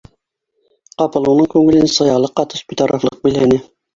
Ҡапыл уның күңелен саялыҡ ҡатыш битарафлыҡ биләне.